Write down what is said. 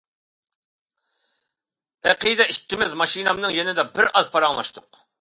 ئەقىدە ئىككىمىز ماشىنامنىڭ يېنىدا بىر ئاز پاراڭلاشتۇق.